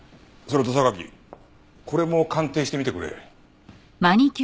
それと榊これも鑑定してみてくれ。